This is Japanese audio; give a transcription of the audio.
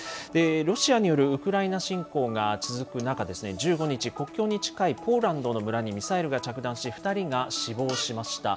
ロシアによるウクライナ侵攻が続く中、１５日、国境に近いポーランドの村にミサイルが着弾し、２人が死亡しました。